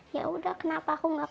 ya udah kenapa aku gak kuat gitu